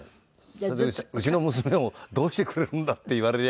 それで「うちの娘をどうしてくれるんだ！」って言われりゃ